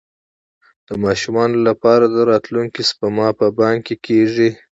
د ماشومانو لپاره د راتلونکي سپما په بانک کې کیږي.